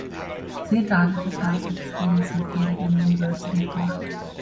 Saint Agatha Catholic School is located in University Park.